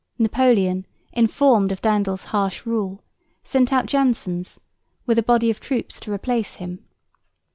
Napoleon, informed of Daendels' harsh rule, sent out Janssens with a body of troops to replace him.